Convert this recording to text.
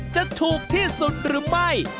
จะถูกที่สุดหรือไม่